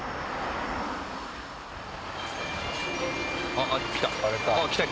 あっ来た。